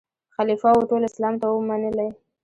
خلیفه وو ټول اسلام ته وو منلی